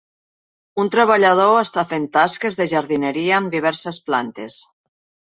Un treballador està fent tasques de jardineria amb diverses plantes.